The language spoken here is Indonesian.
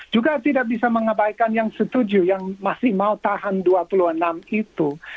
juga tidak bisa mengabaikan yang setuju yang masih mau tahan dua puluh enam itu